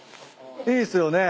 いいっすよね。